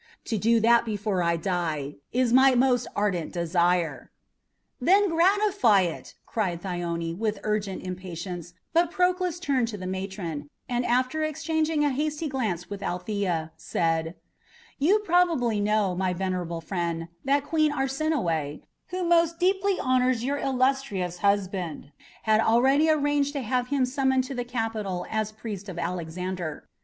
To do that before I die is my most ardent desire." "Then gratify it!" cried Thyone with urgent impatience; but Proclus turned to the matron, and, after exchanging a hasty glance with Althea, said: "You probably know, my venerable friend, that Queen Arsinoe, who most deeply honours your illustrious husband, had already arranged to have him summoned to the capital as priest of Alexander.